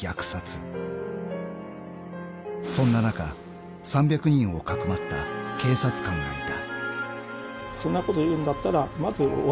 ［そんな中３００人をかくまった警察官がいた］